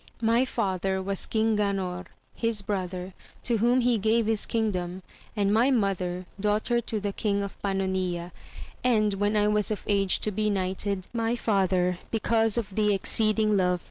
My father was Eong Ganor, his brother, to whom he gave his kingdom, and my mother, daughter to the King of Panonia, and, when I was of age to be knightedy my father^ bi^cause of the exceeding love AMADIS OF GAUL.